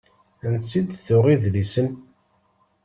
Ansi d-tuɣ idlisen?